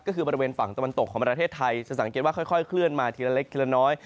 ก็คือบริเวณฝั่งตะวันตกของประเทศไทยจะสังเกตว่าค่อยเคลื่อนมาทีละเล็กทีละน้อย